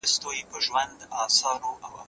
قصاص د مرګ سزا ده.